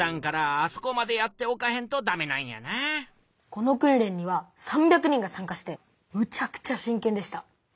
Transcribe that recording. この訓練には３００人が参加してむちゃくちゃ真けんでした。